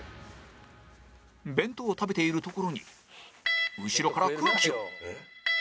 弁当を食べているところに後ろから空気を